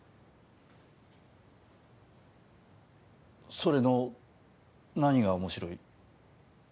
それの何が面白い？